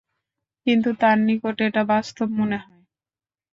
কিন্তু তার নিকট এটা বাস্তব মনে হয়।